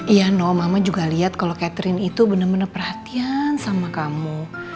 iya noh mama juga liat kalau catherine itu bener bener perhatian sama kamu